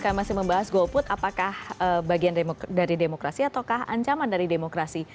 kami masih membahas golput apakah bagian dari demokrasi ataukah ancaman dari demokrasi